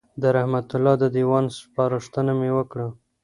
د رحمت الله د دېوان سپارښتنه مې وکړه.